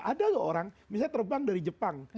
ada loh orang misalnya terbang dari jepang